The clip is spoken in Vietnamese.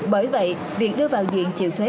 bởi vậy việc đưa vào diện chịu thuế